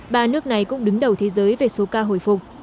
ba nước này cũng đứng đầu thế giới về số ca hồi phục